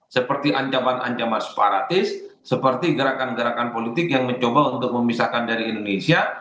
seperti ancaman ancaman separatis seperti gerakan gerakan politik yang mencoba untuk memisahkan dari indonesia